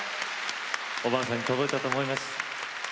おばあさまに届いたと思います。